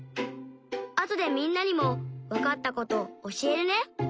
あとでみんなにもわかったことおしえるね！